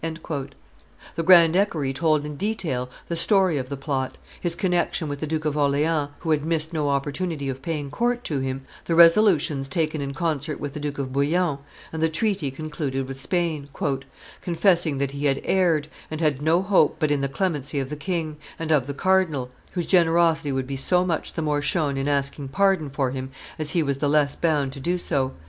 The grand equerry told in detail the story of the plot, his connection with the Duke of Orleans, who had missed no opportunity of paying court to him, the resolutions taken in concert with the Duke of Bouillon, and the treaty concluded with Spain, "confessing that he had erred, and had no hope but in the clemency of the king, and of the cardinal, whose generosity would be so much the more shown in asking pardon for him as he was the less bound to do so."